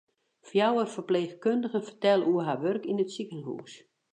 Fjouwer ferpleechkundigen fertelle oer har wurk yn it sikehûs.